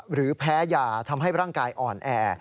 หรือแพ้ยาทำให้ร่างกายอ่อนแอ